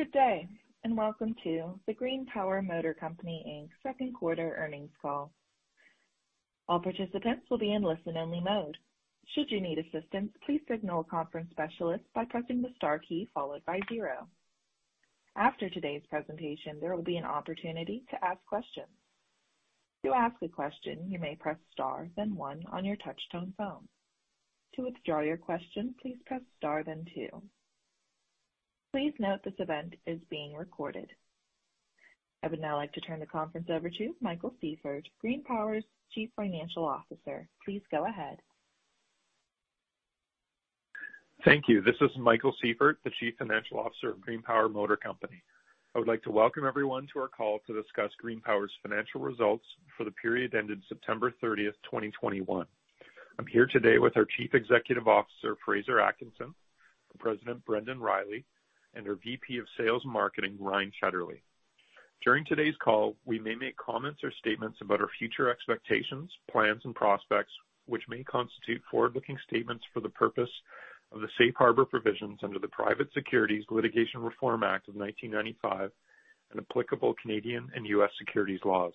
Good day, and welcome to the GreenPower Motor Company Inc. Q2 earnings call. All participants will be in listen-only mode. Should you need assistance, please signal a conference specialist by pressing the star key followed by zero. After today's presentation, there will be an opportunity to ask questions. To ask a question, you may press star then one on your touchtone phone. To withdraw your question, please press star then two. Please note this event is being recorded. I would now like to turn the conference over to Michael Sieffert, GreenPower's Chief Financial Officer. Please go ahead. Thank you. This is Michael Sieffert, the Chief Financial Officer of GreenPower Motor Company. I would like to welcome everyone to our call to discuss GreenPower's financial results for the period ending September 30, 2021. I'm here today with our Chief Executive Officer, Fraser Atkinson, President Brendan Riley, and our VP of Sales and Marketing, Ryne Shetterly. During today's call, we may make comments or statements about our future expectations, plans, and prospects, which may constitute forward-looking statements for the purpose of the Safe Harbor provisions under the Private Securities Litigation Reform Act of 1995 and applicable Canadian and U.S. securities laws.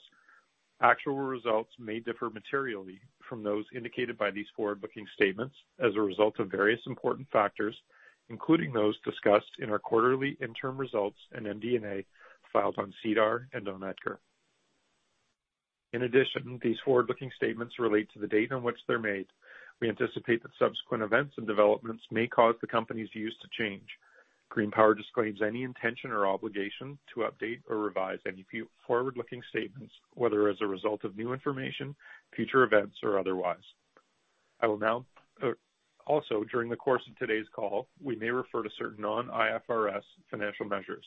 Actual results may differ materially from those indicated by these forward-looking statements as a result of various important factors, including those discussed in our quarterly interim results and MD&A filed on SEDAR and on EDGAR. In addition, these forward-looking statements relate to the date on which they're made. We anticipate that subsequent events and developments may cause the company's views to change. GreenPower disclaims any intention or obligation to update or revise any forward-looking statements, whether as a result of new information, future events or otherwise. I will now. Also, during the course of today's call, we may refer to certain non-IFRS financial measures.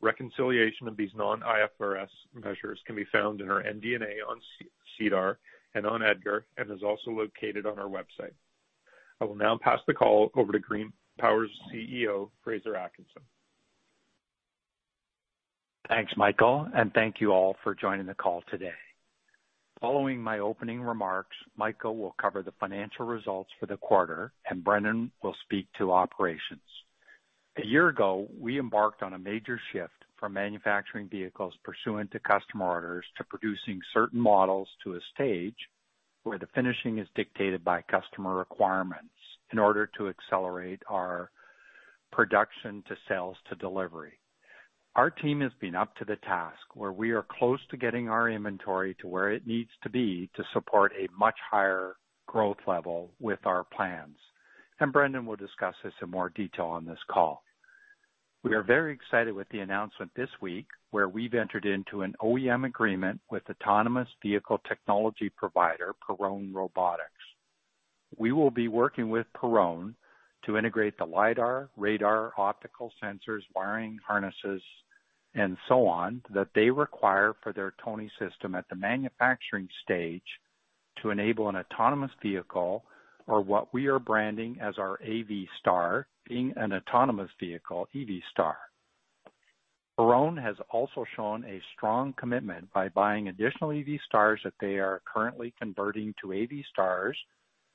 Reconciliation of these non-IFRS measures can be found in our MD&A on SEDAR and on EDGAR, and is also located on our website. I will now pass the call over to GreenPower's CEO, Fraser Atkinson. Thanks, Michael, and thank you all for joining the call today. Following my opening remarks, Michael will cover the financial results for the quarter, and Brendan will speak to operations. A year ago, we embarked on a major shift from manufacturing vehicles pursuant to customer orders to producing certain models to a stage where the finishing is dictated by customer requirements in order to accelerate our production to sales to delivery. Our team has been up to the task where we are close to getting our inventory to where it needs to be to support a much higher growth level with our plans, and Brendan will discuss this in more detail on this call. We are very excited with the announcement this week where we've entered into an OEM agreement with autonomous vehicle technology provider, Perrone Robotics. We will be working with Perrone to integrate the lidar, radar, optical sensors, wiring harnesses, and so on that they require for their TONY system at the manufacturing stage to enable an autonomous vehicle or what we are branding as our AV Star, being an autonomous vehicle, EV Star. Perrone has also shown a strong commitment by buying additional EV Stars that they are currently converting to AV Stars,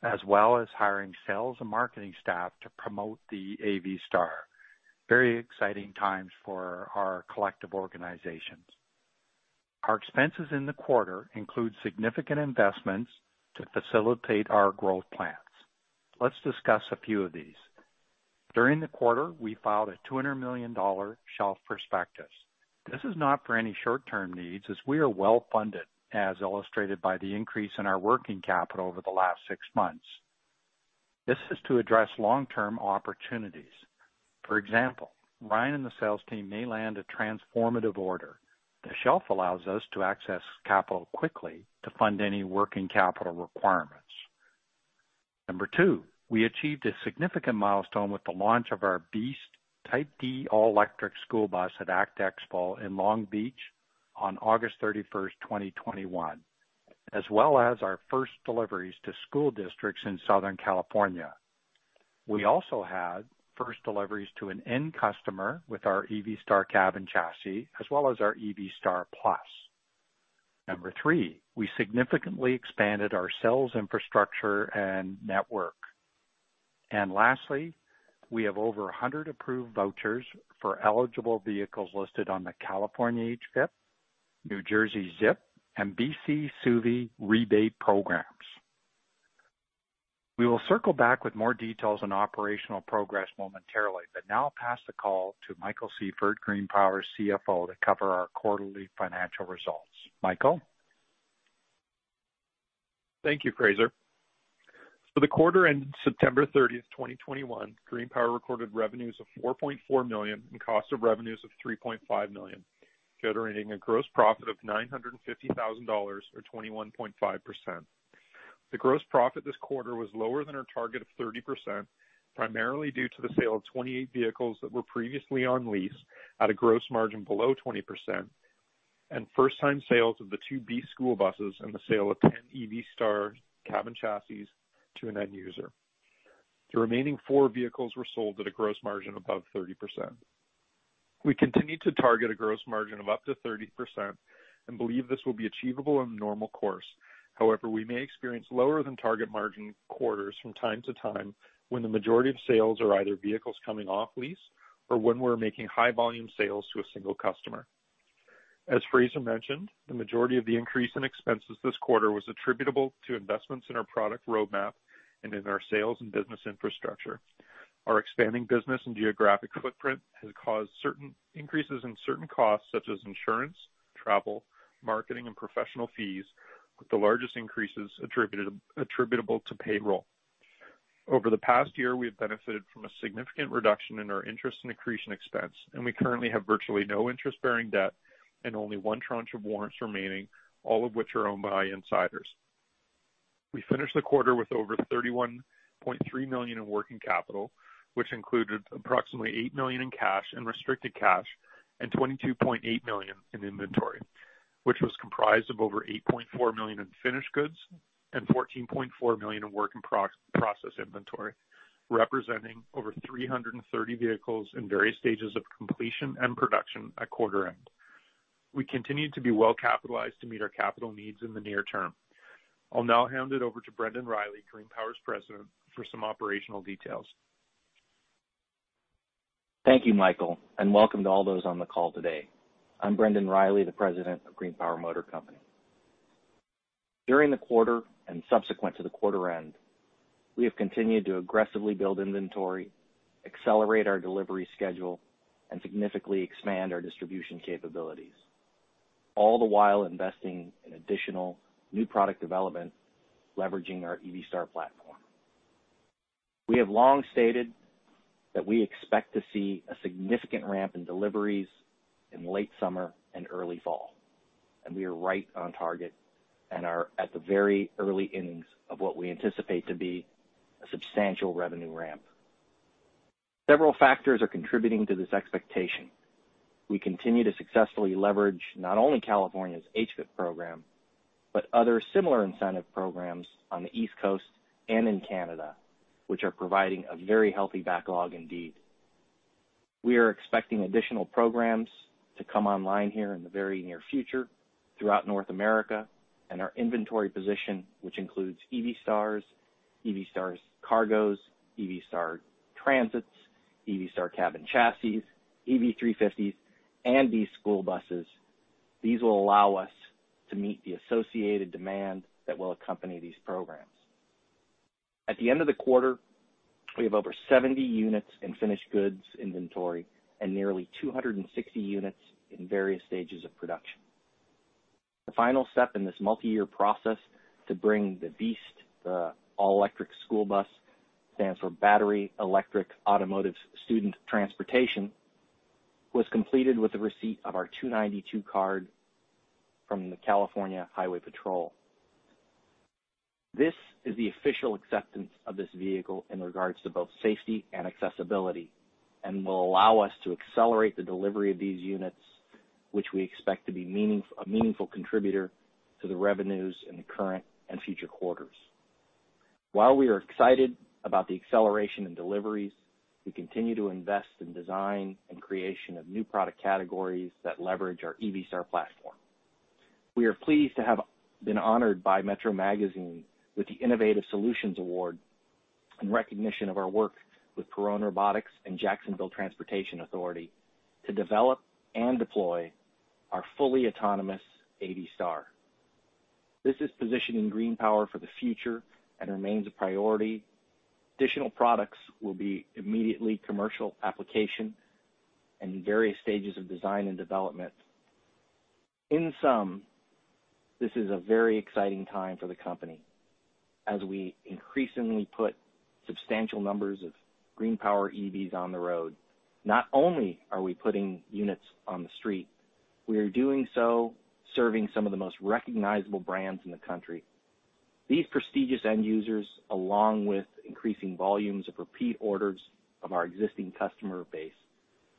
as well as hiring sales and marketing staff to promote the AV Star. Very exciting times for our collective organizations. Our expenses in the quarter include significant investments to facilitate our growth plans. Let's discuss a few of these. During the quarter, we filed a $200 million shelf prospectus. This is not for any short-term needs, as we are well funded, as illustrated by the increase in our working capital over the last six months. This is to address long-term opportunities. For example, Ryne and the sales team may land a transformative order. The shelf allows us to access capital quickly to fund any working capital requirements. Number two, we achieved a significant milestone with the launch of our BEAST Type D all-electric school bus at ACT Expo in Long Beach on August 31, 2021, as well as our first deliveries to school districts in Southern California. We also had first deliveries to an end customer with our EV Star Cab and Chassis, as well as our EV Star Plus. Number three, we significantly expanded our sales infrastructure and network. Lastly, we have over 100 approved vouchers for eligible vehicles listed on the California HVIP, New Jersey ZIP, and BC SUVI rebate programs. We will circle back with more details on operational progress momentarily, but now I'll pass the call to Michael Sieffert, GreenPower's CFO, to cover our quarterly financial results. Michael? Thank you, Fraser. For the quarter ending September 30, 2021, GreenPower recorded revenues of $4.4 million and cost of revenues of $3.5 million, generating a gross profit of $950,000 or 21.5%. The gross profit this quarter was lower than our target of 30%, primarily due to the sale of 28 vehicles that were previously on lease at a gross margin below 20%, and first-time sales of the two B school buses and the sale of 10 EV Star Cab and Chassis to an end user. The remaining four vehicles were sold at a gross margin above 30%. We continue to target a gross margin of up to 30% and believe this will be achievable in the normal course. However, we may experience lower than target margin quarters from time to time when the majority of sales are either vehicles coming off lease or when we're making high-volume sales to a single customer. As Fraser mentioned, the majority of the increase in expenses this quarter was attributable to investments in our product roadmap and in our sales and business infrastructure. Our expanding business and geographic footprint has caused certain increases in certain costs, such as insurance, travel, marketing, and professional fees, with the largest increases attributable to payroll. Over the past year, we have benefited from a significant reduction in our interest and accretion expense, and we currently have virtually no interest-bearing debt and only one tranche of warrants remaining, all of which are owned by insiders. We finished the quarter with over $31.3 million in working capital, which included approximately $8 million in cash and restricted cash and $22.8 million in inventory, which was comprised of over $8.4 million in finished goods and $14.4 million in work-in-process inventory, representing over 330 vehicles in various stages of completion and production at quarter end. We continue to be well-capitalized to meet our capital needs in the near term. I'll now hand it over to Brendan Riley, GreenPower's President, for some operational details. Thank you, Michael, and welcome to all those on the call today. I'm Brendan Riley, the President of GreenPower Motor Company. During the quarter and subsequent to the quarter end, we have continued to aggressively build inventory, accelerate our delivery schedule, and significantly expand our distribution capabilities, all the while investing in additional new product development, leveraging our EV Star platform. We have long stated that we expect to see a significant ramp in deliveries in late summer and early fall, and we are right on target and are at the very early innings of what we anticipate to be a substantial revenue ramp. Several factors are contributing to this expectation. We continue to successfully leverage not only California's HVIP program, but other similar incentive programs on the East Coast and in Canada, which are providing a very healthy backlog indeed. We are expecting additional programs to come online here in the very near future throughout North America and our inventory position, which includes EV Star, EV Star Cargo, EV Star Transit, EV Star Cab and Chassis, EV350, and BEAST school buses. These will allow us to meet the associated demand that will accompany these programs. At the end of the quarter, we have over 70 units in finished goods inventory and nearly 260 units in various stages of production. The final step in this multiyear process to bring the BEAST, the all-electric school bus, stands for Battery Electric Automotive Student Transportation, was completed with the receipt of our 292 card from the California Highway Patrol. This is the official acceptance of this vehicle in regards to both safety and accessibility and will allow us to accelerate the delivery of these units, which we expect to be a meaningful contributor to the revenues in the current and future quarters. While we are excited about the acceleration in deliveries, we continue to invest in design and creation of new product categories that leverage our EVStar platform. We are pleased to have been honored by Metro Magazine with the Innovative Solutions Award in recognition of our work with Perrone Robotics and Jacksonville Transportation Authority to develop and deploy our fully autonomous AV Star. This is positioning GreenPower for the future and remains a priority. Additional products will be immediately commercial application and in various stages of design and development. In sum, this is a very exciting time for the company as we increasingly put substantial numbers of GreenPower EVs on the road. Not only are we putting units on the street, we are doing so serving some of the most recognizable brands in the country. These prestigious end users, along with increasing volumes of repeat orders of our existing customer base,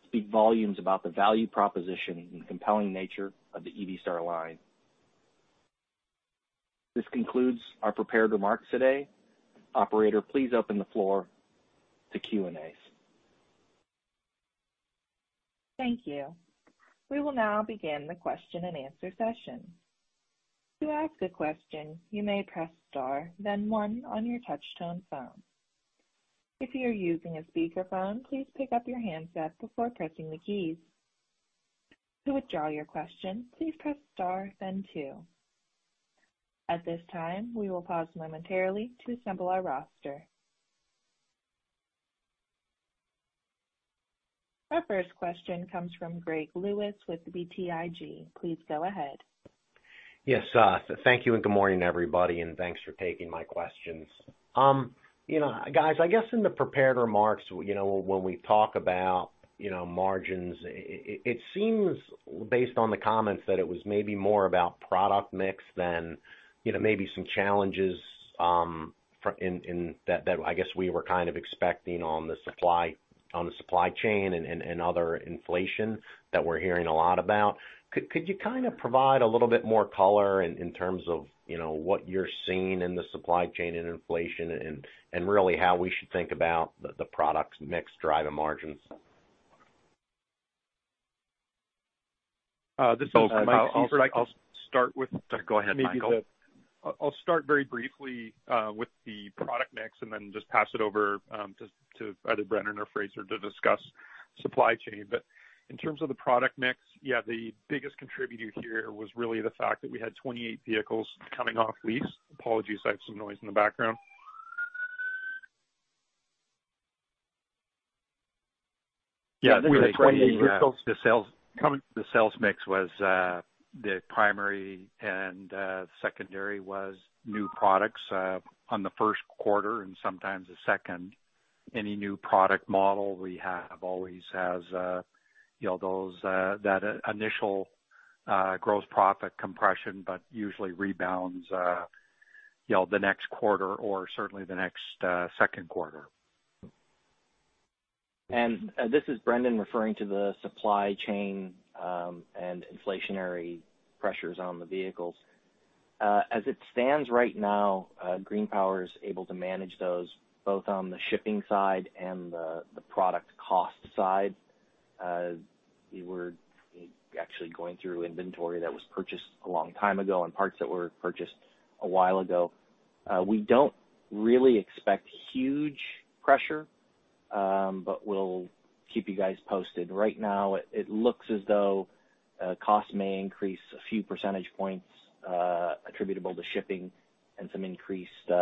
speak volumes about the value proposition and compelling nature of the EV Star line. This concludes our prepared remarks today. Operator, please open the floor to Q&As. Our first question comes from Gregory Lewis with BTIG. Please go ahead. Yes, thank you and good morning, everybody, and thanks for taking my questions. You know, guys, I guess in the prepared remarks, you know, when we talk about, you know, margins, it seems based on the comments that it was maybe more about product mix than, you know, maybe some challenges in that I guess we were kind of expecting on the supply chain and other inflation that we're hearing a lot about. Could you kind of provide a little bit more color in terms of, you know, what you're seeing in the supply chain and inflation and really how we should think about the products mix drive and margins? This is Michael Sieffert. I'll start with. Go ahead, Michael. I'll start very briefly with the product mix and then just pass it over to either Brendan or Fraser to discuss supply chain. In terms of the product mix, yeah, the biggest contributor here was really the fact that we had 28 vehicles coming off lease. Apologies, I have some noise in the background. Yeah, the sales mix was primarily and secondarily new products on the Q1 and sometimes the second. Any new product model we have always has you know that initial gross profit compression, but usually rebounds you know the next quarter or certainly the next Q2. This is Brendan referring to the supply chain, and inflationary pressures on the vehicles. As it stands right now, GreenPower is able to manage those both on the shipping side and the product cost side. We were actually going through inventory that was purchased a long time ago and parts that were purchased a while ago. We don't really expect huge pressure, but we'll keep you guys posted. Right now, it looks as though costs may increase a few percentage points, attributable to shipping and some increased, you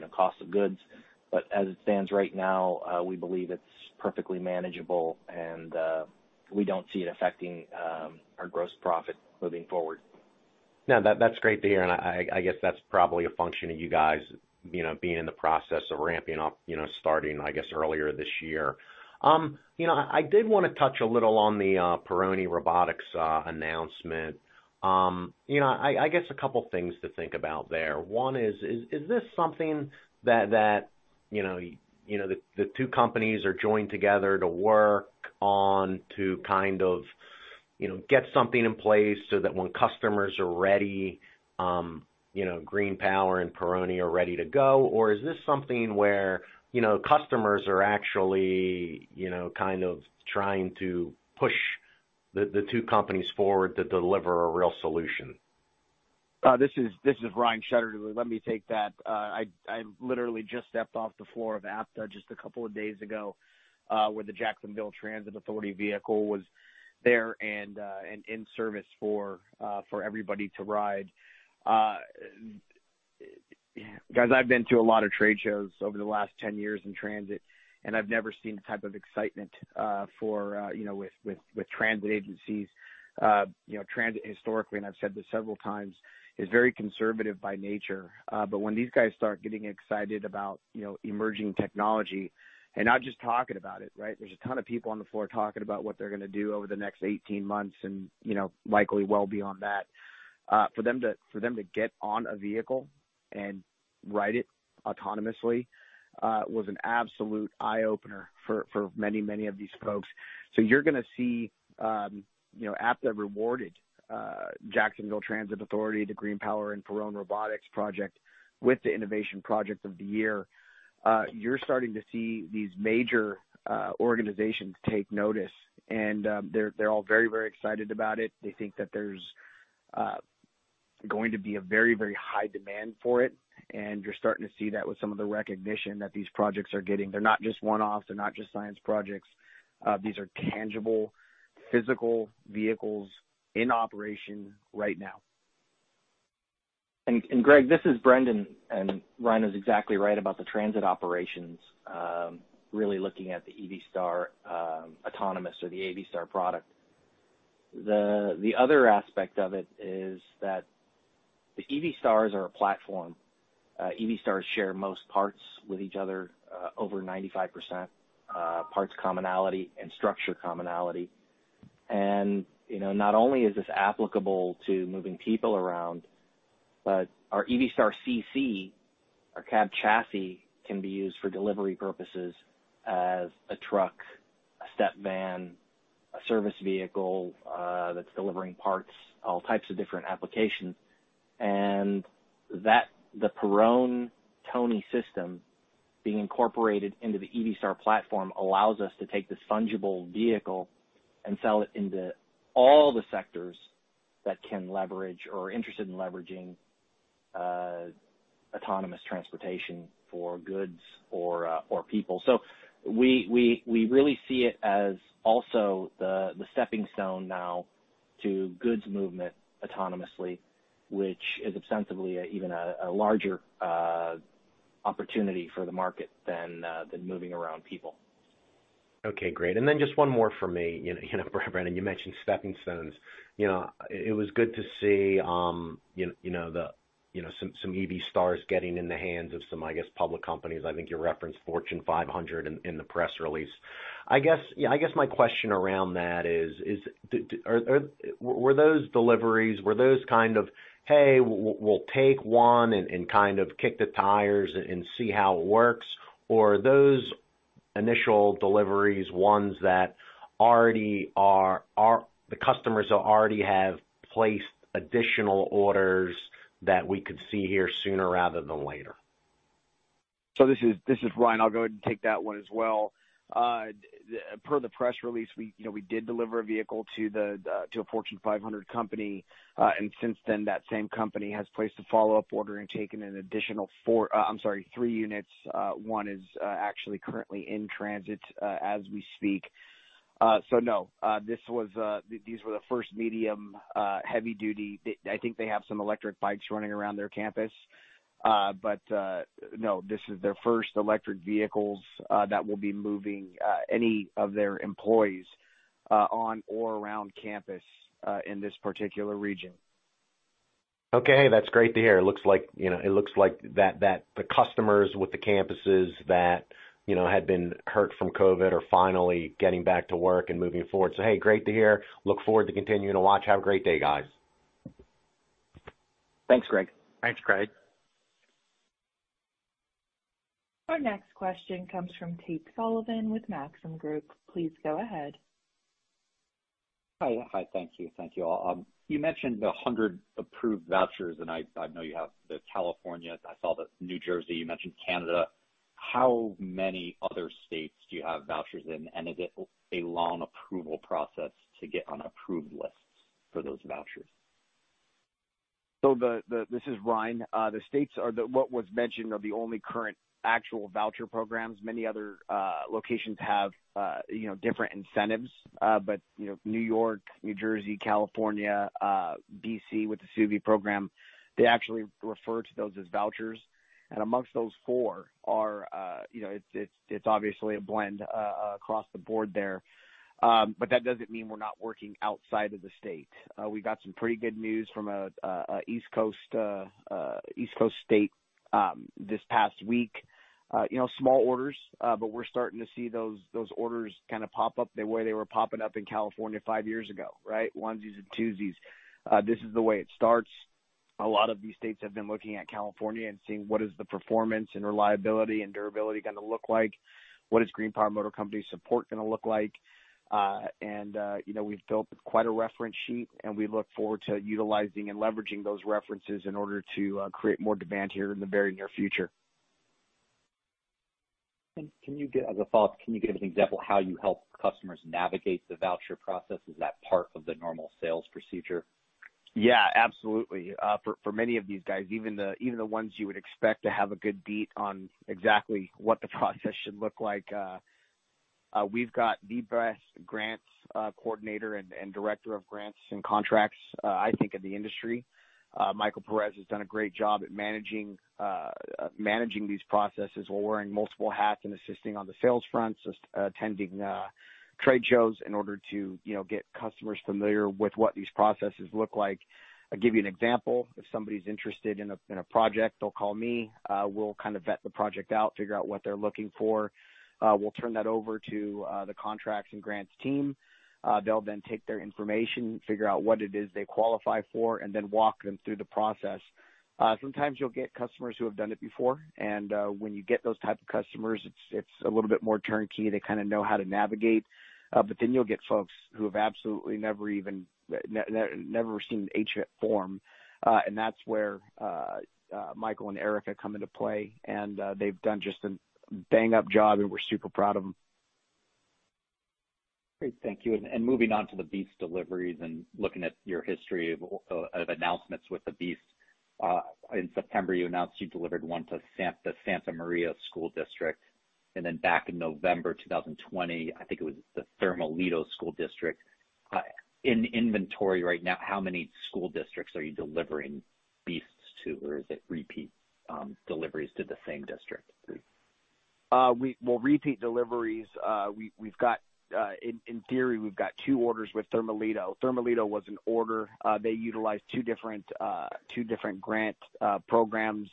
know, cost of goods. But as it stands right now, we believe it's perfectly manageable and we don't see it affecting our gross profit moving forward. No, that's great to hear. I guess that's probably a function of you guys, you know, being in the process of ramping up, you know, starting, I guess, earlier this year. You know, I did want to touch a little on the Perrone Robotics announcement. You know, I guess a couple things to think about there. One is this something that, you know, the two companies are joined together to work on to kind of, you know, get something in place so that when customers are ready, you know, GreenPower and Perrone are ready to go? Or is this something where, you know, customers are actually, you know, kind of trying to push the two companies forward to deliver a real solution? This is Ryne Shetterly. Let me take that. I literally just stepped off the floor of APTA a couple of days ago, where the Jacksonville Transportation Authority vehicle was there and in service for everybody to ride. Guys, I've been to a lot of trade shows over the last 10 years in transit, and I've never seen the type of excitement for, you know, with transit agencies. You know, transit historically, and I've said this several times, is very conservative by nature. But when these guys start getting excited about, you know, emerging technology and not just talking about it, right? There's a ton of people on the floor talking about what they're going to do over the next 18 months and, you know, likely well beyond that. For them to get on a vehicle and ride it autonomously was an absolute eye-opener for many of these folks. You're going to see, you know, APTA rewarded Jacksonville Transportation Authority, the GreenPower and Perrone Robotics project with the innovation project of the year. You're starting to see these major organizations take notice, and they're all very excited about it. They think that there's going to be a very high demand for it. You're starting to see that with some of the recognition that these projects are getting. They're not just one-offs, they're not just science projects. These are tangible, physical vehicles in operation right now. Greg, this is Brendan, and Ryan is exactly right about the transit operations, really looking at the EV Star, autonomous or the EV Star product. The other aspect of it is that the EV Stars are a platform. EV Stars share most parts with each other, over 95% parts commonality and structure commonality. You know, not only is this applicable to moving people around, but our EV Star CC, our cab and chassis, can be used for delivery purposes as a truck, a step van, a service vehicle, that's delivering parts, all types of different applications. The Perrone TONY system being incorporated into the EV Star platform allows us to take this fungible vehicle and sell it into all the sectors that can leverage or are interested in leveraging, autonomous transportation for goods or people. We really see it as also the stepping stone now to goods movement autonomously, which is ostensibly even a larger opportunity for the market than moving around people. Okay, great. Then just one more for me. You know, Brendan, you mentioned stepping stones. You know, it was good to see you know some EV Stars getting in the hands of some, I guess, public companies. I think you referenced Fortune 500 in the press release. I guess, yeah, I guess my question around that is, did were those deliveries were those kind of, hey, we'll take one and kind of kick the tires and see how it works? Or are those initial deliveries ones that already are the customers already have placed additional orders that we could see here sooner rather than later? This is Ryan. I'll go ahead and take that one as well. Per the press release, you know, we did deliver a vehicle to a Fortune 500 company, and since then, that same company has placed a follow-up order and taken an additional 4, I'm sorry, 3 units. One is actually currently in transit as we speak. No, these were the first medium heavy duty. They, I think they have some electric bikes running around their campus. But no, this is their first electric vehicles that will be moving any of their employees on or around campus in this particular region. Okay. That's great to hear. It looks like, you know, that the customers with the campuses that, you know, had been hurt from COVID are finally getting back to work and moving forward. Hey, great to hear. I look forward to continuing to watch. Have a great day, guys. Thanks, Greg. Thanks, Greg. Our next question comes from Tate Sullivan with Maxim Group. Please go ahead. Hi. Thank you all. You mentioned the 100 approved vouchers, and I know you have the California, I saw the New Jersey, you mentioned Canada. How many other states do you have vouchers in, and is it a long approval process to get on approved lists for those vouchers? This is Ryne. The states that were mentioned are the only current actual voucher programs. Many other locations have, you know, different incentives, but, you know, New York, New Jersey, California, D.C. with the SUVI program. They actually refer to those as vouchers. Amongst those four, you know, it's obviously a blend across the board there. But that doesn't mean we're not working outside of the state. We got some pretty good news from a East Coast state this past week. You know, small orders, but we're starting to see those orders kind of pop up the way they were popping up in California five years ago, right? Onesies and twosies. This is the way it starts. A lot of these states have been looking at California and seeing what is the performance and reliability and durability going to look like? What is GreenPower Motor Company support going to look like? You know, we've built quite a reference sheet, and we look forward to utilizing and leveraging those references in order to create more demand here in the very near future. Can you give, as a follow-up, an example how you help customers navigate the voucher process? Is that part of the normal sales procedure? Yeah, absolutely. For many of these guys, even the ones you would expect to have a good beat on exactly what the process should look like, we've got the best grants coordinator and director of grants and contracts, I think, in the industry. Mikale Perez has done a great job at managing these processes while wearing multiple hats and assisting on the sales front, just attending trade shows in order to, you know, get customers familiar with what these processes look like. I'll give you an example. If somebody's interested in a project, they'll call me. We'll kind of vet the project out, figure out what they're looking for. We'll turn that over to the contracts and grants team. They'll then take their information, figure out what it is they qualify for, and then walk them through the process. Sometimes you'll get customers who have done it before, and when you get those type of customers, it's a little bit more turnkey. They kinda know how to navigate. You'll get folks who have absolutely never even seen an HVIP form, and that's where Michael and Erica come into play. They've done just a bang-up job, and we're super proud of them. Great. Thank you. Moving on to the BEAST deliveries and looking at your history of announcements with the BEAST, in September, you announced you delivered 1 to the Santa Maria-Bonita School District, and then back in November 2020, I think it was the Thermalito School District. In inventory right now, how many school districts are you delivering BEASTs to, or is it repeat deliveries to the same district? In theory, we've got two orders with Thermalito. Thermalito was an order. They utilized two different grant programs,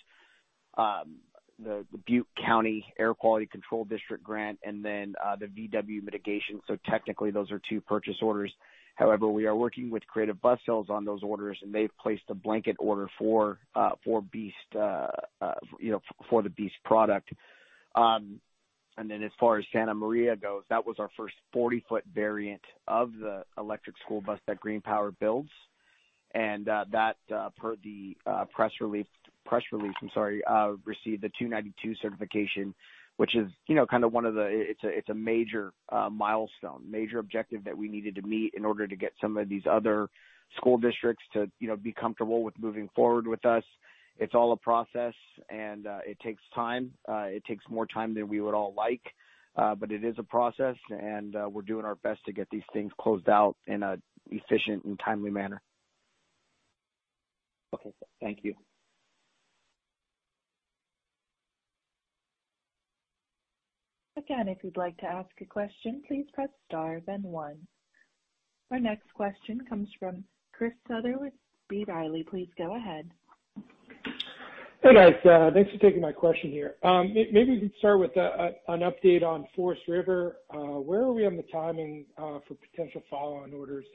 the Butte County Air Quality Management District grant and then the VW mitigation. Technically, those are two purchase orders. However, we are working with Creative Bus Sales on those orders, and they've placed a blanket order for the BEAST product, you know. As far as Santa Maria goes, that was our first 40-foot variant of the electric school bus that GreenPower builds. That per the press release received the 292 certification, which is, you know, kind of one of the... It's a major milestone, major objective that we needed to meet in order to get some of these other school districts to, you know, be comfortable with moving forward with us. It's all a process, and it takes time. It takes more time than we would all like, but it is a process, and we're doing our best to get these things closed out in an efficient and timely manner. Okay. Thank you. Again, if you'd like to ask a question, please press star then one. Our next question comes from Christopher Sutter with B. Riley Securities. Please go ahead. Hey, guys. Thanks for taking my question here. Maybe we could start with an update on Forest River. Where are we on the timing for potential follow-on orders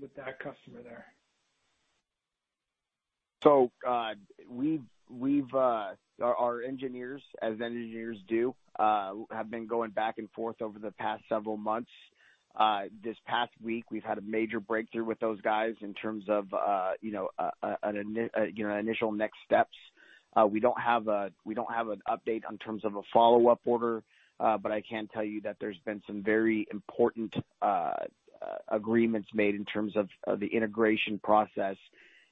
with that customer there? Our engineers, as engineers do, have been going back and forth over the past several months. This past week we've had a major breakthrough with those guys in terms of an initial next steps. We don't have an update in terms of a follow-up order, but I can tell you that there's been some very important agreements made in terms of the integration process.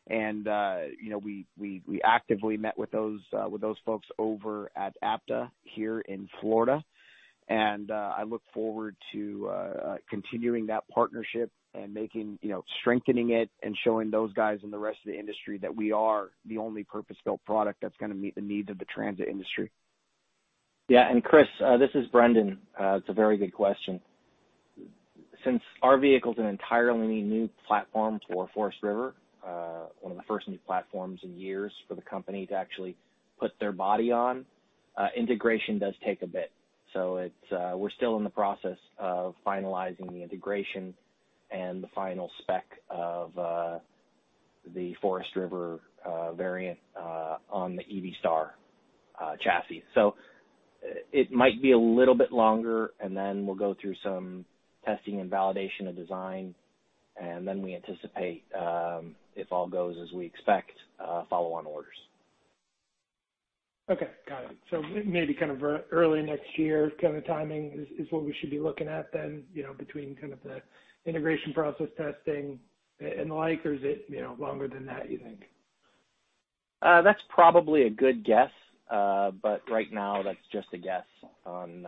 We actively met with those folks over at APTA here in Florida. I look forward to continuing that partnership and making strengthening it and showing those guys and the rest of the industry that we are the only purpose-built product that's going to meet the needs of the transit industry. Yeah. Chris, this is Brendan. It's a very good question. Since our vehicle's an entirely new platform for Forest River, one of the first new platforms in years for the company to actually put their body on, integration does take a bit. We're still in the process of finalizing the integration and the final spec of the Forest River variant on the EV Star chassis. It might be a little bit longer, and then we'll go through some testing and validation of design, and then we anticipate, if all goes as we expect, follow-on orders. Okay, got it. Maybe kind of early next year kind of timing is what we should be looking at then, you know, between kind of the integration process testing and the like, or is it, you know, longer than that you think? That's probably a good guess. Right now that's just a guess on,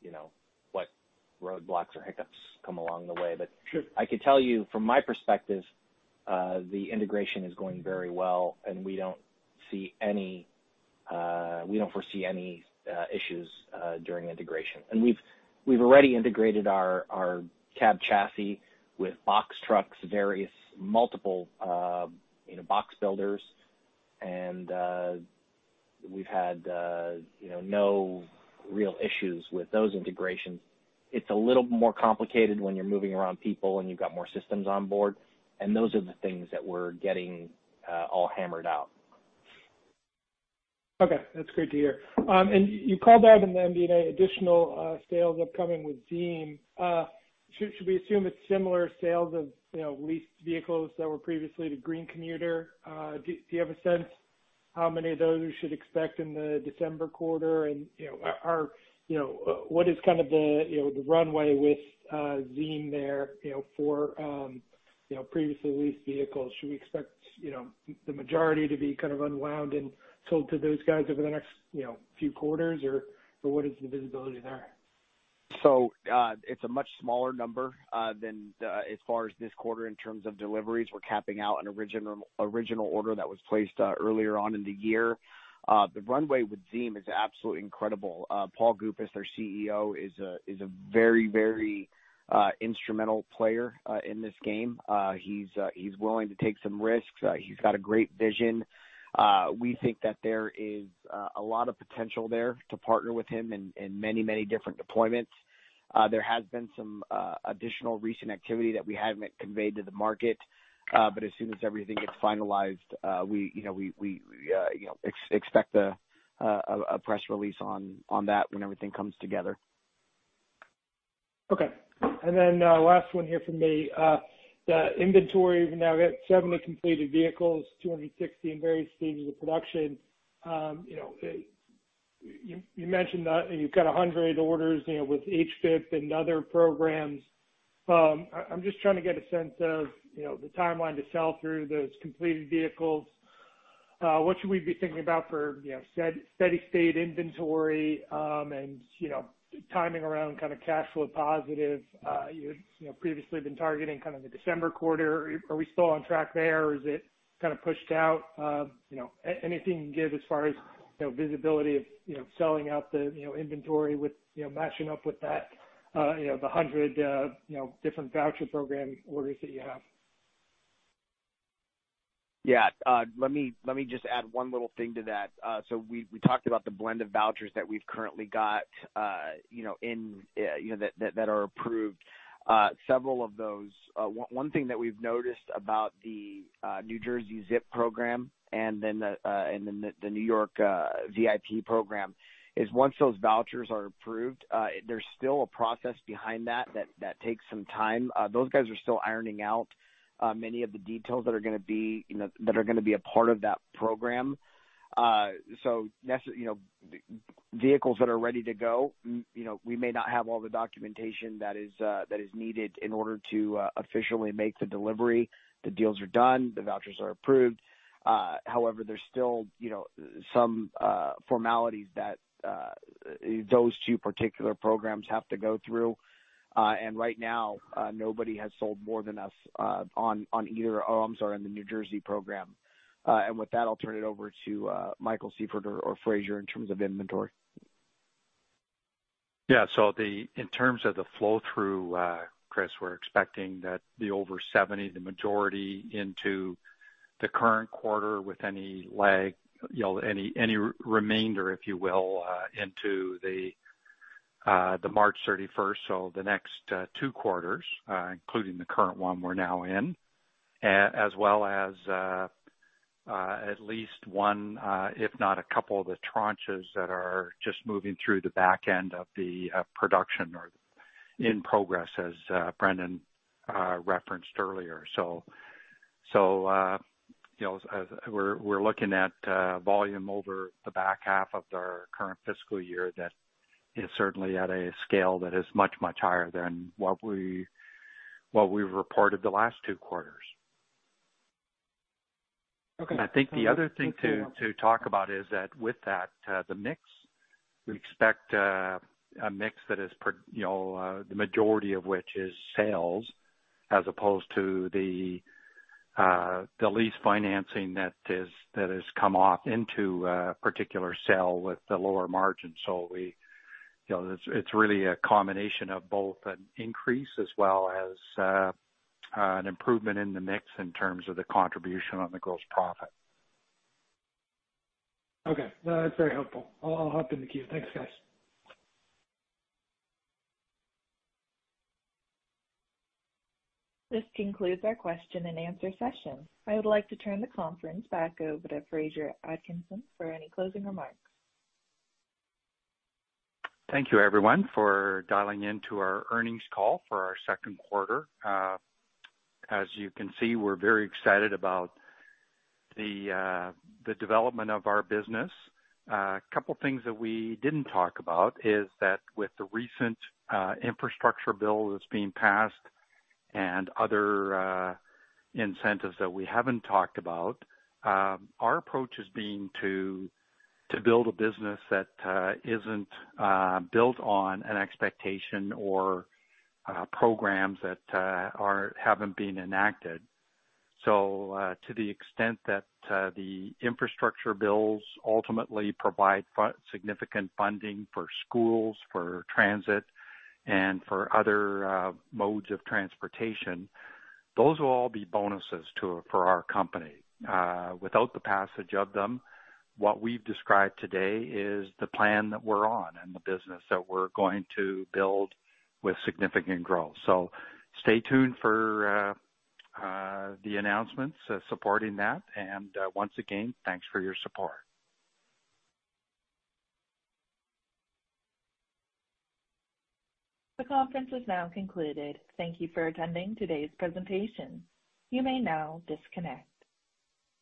you know, what roadblocks or hiccups come along the way. Sure. I could tell you from my perspective, the integration is going very well, and we don't foresee any issues during integration. We've already integrated our cab chassis with box trucks, various multiple, you know, box builders. We've had, you know, no real issues with those integrations. It's a little more complicated when you're moving around people and you've got more systems on board, and those are the things that we're getting all hammered out. Okay, that's great to hear. You called out in the MD&A additional sales upcoming with Zeem. Should we assume it's similar sales of, you know, leased vehicles that were previously to Green Commuter? Do you have a sense how many of those you should expect in the December quarter? You know, what is kind of the, you know, the runway with Zeem there, you know, for previously leased vehicles? Should we expect, you know, the majority to be kind of unwound and sold to those guys over the next, you know, few quarters or what is the visibility there? It's a much smaller number than as far as this quarter in terms of deliveries. We're capping out an original order that was placed earlier on in the year. The runway with Zeem is absolutely incredible. Paul Zarkin, their CEO, is a very instrumental player in this game. He's willing to take some risks. He's got a great vision. We think that there is a lot of potential there to partner with him in many different deployments. There has been some additional recent activity that we haven't conveyed to the market. As soon as everything gets finalized, we, you know, expect a press release on that when everything comes together. Okay. Last one here from me. The inventory, now we've got 70 completed vehicles, 260 in various stages of production. You know, you mentioned that you've got 100 orders, you know, with HVIP and other programs. I'm just trying to get a sense of, you know, the timeline to sell through those completed vehicles. What should we be thinking about for, you know, steady-state inventory, and, you know, timing around kind of cash flow positive? You had, you know, previously been targeting kind of the December quarter. Are we still on track there or is it kind of pushed out? You know, anything you can give as far as, you know, visibility of, you know, selling out the, you know, inventory with, you know, matching up with that, you know, the 100 different voucher program orders that you have. Yeah. Let me just add one little thing to that. So we talked about the blend of vouchers that we've currently got, you know, that are approved. Several of those. One thing that we've noticed about the New Jersey ZIP program and then the New York NYTVIP program is once those vouchers are approved, there's still a process behind that that takes some time. Those guys are still ironing out many of the details that are going to be, you know, that are going to be a part of that program. So, you know, vehicles that are ready to go, you know, we may not have all the documentation that is needed in order to officially make the delivery. The deals are done, the vouchers are approved. However, there's still, you know, some formalities that those two particular programs have to go through. Right now, nobody has sold more than us on either OEMs or in the New Jersey program. With that, I'll turn it over to Michael Sieffert or Fraser in terms of inventory. Yeah. In terms of the flow through, Chris, we're expecting that the over 70, the majority into the current quarter with any lag, you know, any remainder, if you will, into the March 31, so the next two quarters, including the current one we're now in, as well as at least one, if not a couple of the tranches that are just moving through the back end of the production or in progress as Brendan referenced earlier. You know, as we're looking at volume over the back half of our current fiscal year that is certainly at a scale that is much higher than what we've reported the last two quarters. Okay. I think the other thing to talk about is that with that, the mix, we expect a mix that is, you know, the majority of which is sales as opposed to the lease financing that is, that has come off into a particular sale with the lower margin. We, you know, it's really a combination of both an increase as well as an improvement in the mix in terms of the contribution on the gross profit. Okay. No, that's very helpful. I'll hop in the queue. Thanks, guys. This concludes our question and answer session. I would like to turn the conference back over to Fraser Atkinson for any closing remarks. Thank you everyone for dialing in to our earnings call for our Q2. As you can see, we're very excited about the development of our business. A couple of things that we didn't talk about is that with the recent infrastructure bill that's being passed and other incentives that we haven't talked about, our approach has been to build a business that isn't built on an expectation or programs that haven't been enacted. To the extent that the infrastructure bills ultimately provide significant funding for schools, for transit, and for other modes of transportation, those will all be bonuses for our company. Without the passage of them, what we've described today is the plan that we're on and the business that we're going to build with significant growth. Stay tuned for the announcements supporting that. Once again, thanks for your support. The conference is now concluded. Thank you for attending today's presentation. You may now disconnect.